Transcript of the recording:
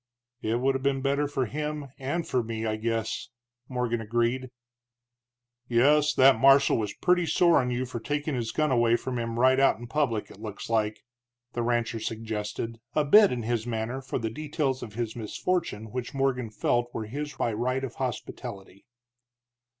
"It would have been better for him, and for me, I guess," Morgan agreed. "Yes, that marshal was purty sore on you for takin' his gun away from him right out in public, it looks like," the rancher suggested, a bid in his manner for the details of his misfortune which Morgan felt were his by right of hospitality.